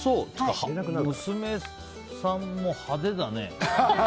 娘さんも派手だね。